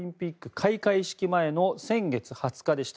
開会式前の先月２０日でした。